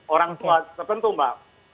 orang tua tertentu mbak